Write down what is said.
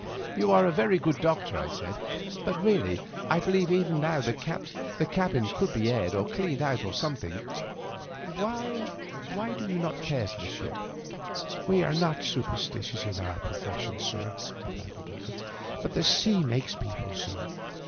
" You are very good, doctor," I said. " But, really, I believe even now the cabin could be aired, or cleaned out, or something. Why do not you care for the ship? " "We are not superstitious in our profession, sir," re plied the doctor. "But the sea makes people so.